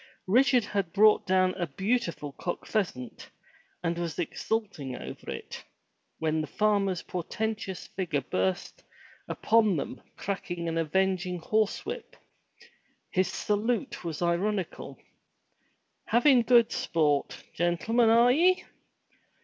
Richard had brought down a beautiful cock pheasant, and was exulting over it, when the farmer's portentous figure burst upon them cracking an avenging horse whip. His salute was ironical. "Havin' good sport, gentlemen, are ye?"